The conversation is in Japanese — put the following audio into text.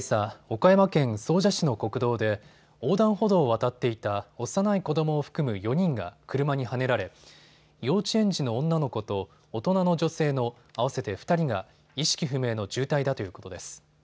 岡山県総社市の国道で横断歩道を渡っていた幼い子どもを含む４人が車にはねられ幼稚園児の女の子と大人の女性の合わせて２人が意識不明の重体だということです。